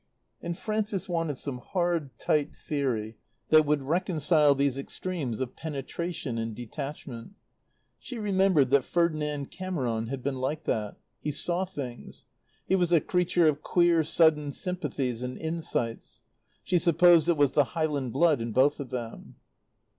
And Frances wanted some hard, tight theory that would reconcile these extremes of penetration and detachment. She remembered that Ferdinand Cameron had been like that. He saw things. He was a creature of queer, sudden sympathies and insights. She supposed it was the Highland blood in both of them.